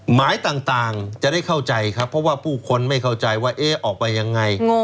หมายต่างจะได้เข้าใจครับเพราะว่าผู้คนไม่เข้าใจว่าเอ๊ะออกไปยังไง